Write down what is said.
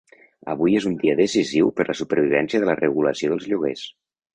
Avui és un dia decisiu per la supervivència de la regulació dels lloguers.